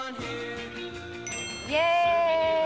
イエーイ！